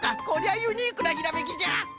こりゃユニークなひらめきじゃ！